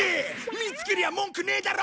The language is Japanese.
見つけりゃ文句ねえだろ！